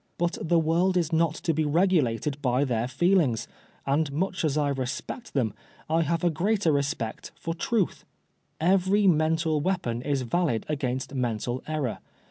But the world is not to be regulated by their feelings, and much as I respect them, I have a greater respect for trutL Every mental weapon is valid against mental error.